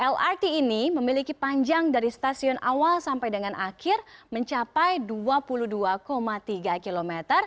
lrt ini memiliki panjang dari stasiun awal sampai dengan akhir mencapai dua puluh dua tiga km